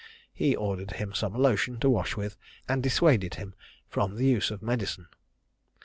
He ordered him some lotion to wash with, and dissuaded him from the use of medicine.